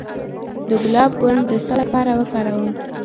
د ګلاب ګل د څه لپاره وکاروم؟